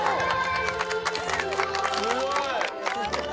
「すごい！」